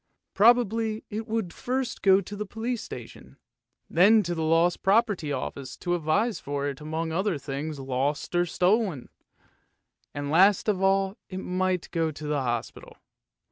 Probably it would first go to the police station, then to the lost property office to advertise for it among other things lost or stolen; and last of all it might go to the hospital.